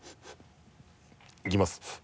いきます。